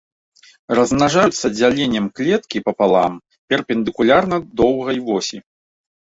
Размнажаюцца дзяленнем клеткі папалам перпендыкулярна доўгай восі.